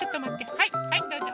はいはいどうぞ。